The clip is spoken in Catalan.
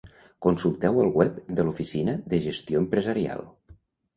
Consulteu al web de l'Oficina de Gestió Empresarial.